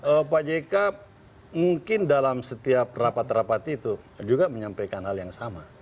oh pak jk mungkin dalam setiap rapat rapat itu juga menyampaikan hal yang sama